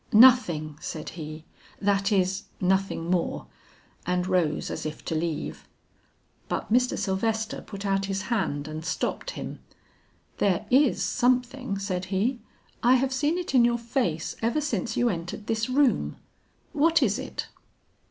"Nothing," said he, "that is, nothing more;" and rose as if to leave. But Mr. Sylvester put out his hand and stopped him. "There is something," said he. "I have seen it in your face ever since you entered this room. What is it?"